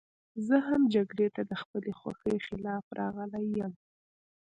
زه هم جګړې ته د خپلې خوښې خلاف راغلی یم